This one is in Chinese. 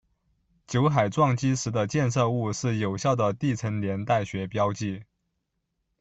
酒海撞击时的溅射物是有效的地层年代学标记。